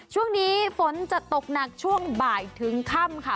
ช่วงนี้ฝนจะตกหนักช่วงบ่ายถึงค่ำค่ะ